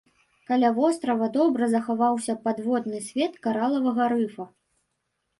Каля вострава добра захаваўся падводны свет каралавага рыфа.